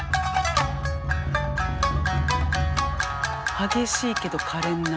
激しいけどかれんな。